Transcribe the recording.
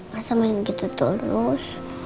masa main gitu terus